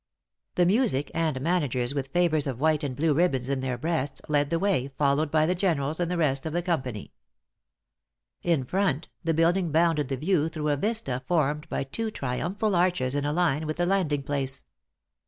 The music, and managers with favors of white and blue ribbons in their breasts, led the way, followed by the generals and the rest of the company. In front, the building bounded the view through a vista formed by two triumphal arches in a line with the landing place.